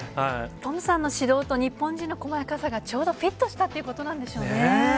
トムさんの指導と日本人のこまやかさが、ちょうどフィットしたということなんでしょうね。